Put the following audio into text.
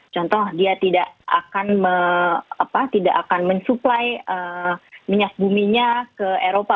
contohnya dia tidak akan mensupply minyak buminya ke eropa